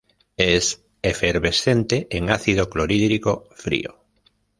Es efervescente en ácido clorhídrico frío.